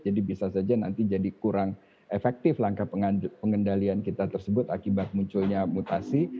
jadi bisa saja nanti jadi kurang efektif langkah pengendalian kita tersebut akibat munculnya mutasi